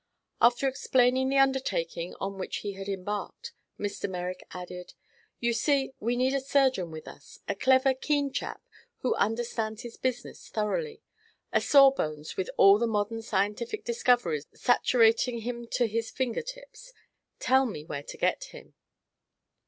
After explaining the undertaking on which he had embarked, Mr. Merrick added: "You see, we need a surgeon with us; a clever, keen chap who understands his business thoroughly, a sawbones with all the modern scientific discoveries saturating him to his finger tips. Tell me where to get him."